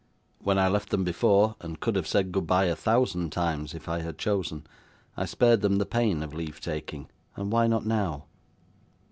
'When I left them before, and could have said goodbye a thousand times if I had chosen, I spared them the pain of leave taking, and why not now?